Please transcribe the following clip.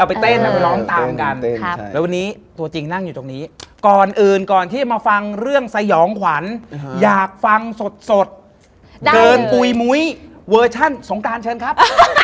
เป็นทเทรนไปแล้วคือฟังเรื่องผีเพื่อให้นอนหลับ